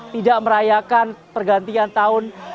tidak merayakan pergantian tahun